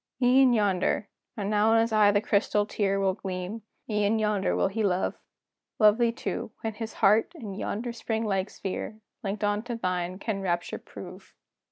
"E'en yonder" and now in his eye the crystal tear Will gleam "e'en yonder he will love! Love thee too, when his heart, in yonder spring like sphere, Linked on to thine, can rapture prove!"